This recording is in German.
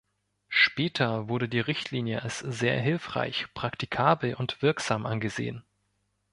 Später wurde die Richtlinie als sehr hilfreich, praktikabel und wirksam angesehen.